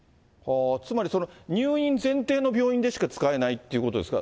つまり、入院前提の病院でしか使えないっていうことですか？